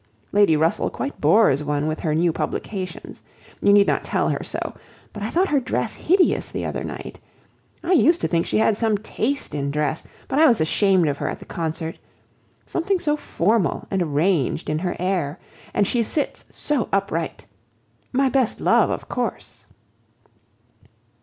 Lady Russell quite bores one with her new publications. You need not tell her so, but I thought her dress hideous the other night. I used to think she had some taste in dress, but I was ashamed of her at the concert. Something so formal and arrangé in her air! and she sits so upright! My best love, of course."